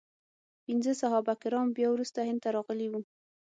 پنځه صحابه کرام بیا وروسته هند ته راغلي وو.